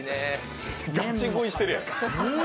ガチ食いしてるやん。